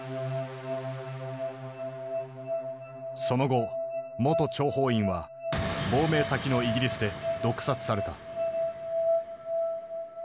その後元諜報員は亡命先のイギリスで毒殺された。